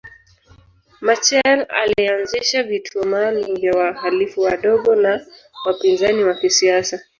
Machel alianzisha vituo maalumu vya wahalifu wadogo na wapinzani wa kisiasa